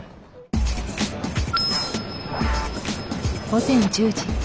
午前１０時。